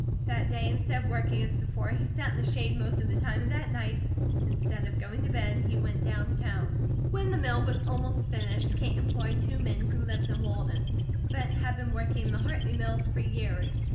That day instead of working as before, he sat in the shade most of the time, and that night instead of going to bed he went down town. When the mill was almost finished Kate employed two men who lived in Walden, but had been working in the Hartley mills for years.